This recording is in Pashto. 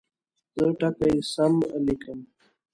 زه ټکي سم لیکم.